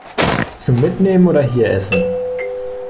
Zum Mitnehmen oder hier essen?